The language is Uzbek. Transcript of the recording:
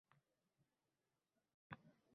Suvning oz-ko`p bo`lishi menga bog`liq emas